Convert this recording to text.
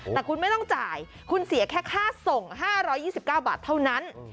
แต่คุณไม่ต้องจ่ายคุณเสียแค่ค่าส่ง๕๒๙บาทเท่านั้น